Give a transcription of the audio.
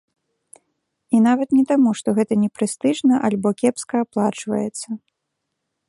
І нават не таму, што гэта не прэстыжна альбо кепска аплачваецца.